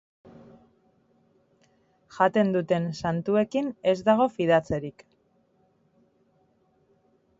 Jaten duten santuekin ez dago fidatzerik.